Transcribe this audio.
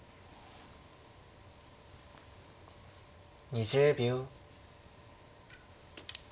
２０秒。